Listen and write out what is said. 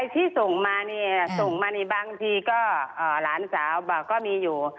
ที่ส่งมาส่งมาบางทีก็หลานสาวก็มีอยู่